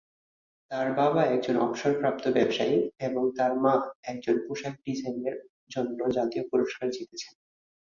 তার বাবা একজন অবসরপ্রাপ্ত ব্যবসায়ী এবং তার মা একজন পোশাক ডিজাইনের জন্য জাতীয় পুরস্কার জিতেছেন।